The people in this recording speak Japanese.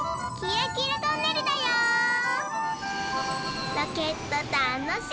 ロケットたのしい！